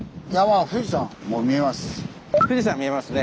山富士山見えますね。